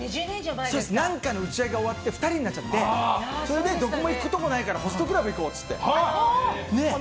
何かの打ち上げが終わって２人になっちゃってそれでどこも行くところないからホストクラブ行こうって。